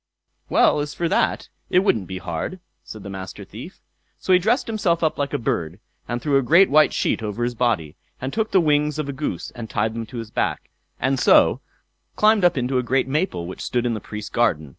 "Well, as for that, it wouldn't be hard", said the Master Thief. So he dressed himself up like a bird, threw a great white sheet over his body, took the wings of a goose and tied them to his back, and so climbed up into a great maple which stood in the Priest's garden.